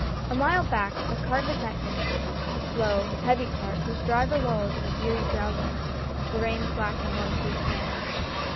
A mile back a cart had met him a slow, heavy cart, whose driver lolled in a beery drowsiness, the reins slack in one dropped hand.